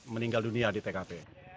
meninggal dunia di tkp